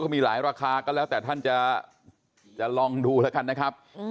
มีหลายราคาก็แล้วแต่ท่านจะลองดูแล้วกันนะครับ